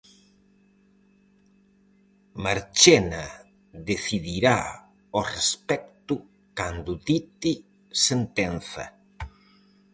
Marchena decidirá ao respecto cando dite sentenza.